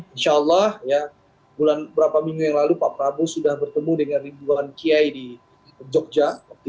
insya allah berapa minggu yang lalu pak prabowo sudah bertemu dengan ribuan kiai di jogja